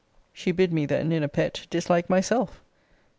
She bid me then, in a pet, dislike myself.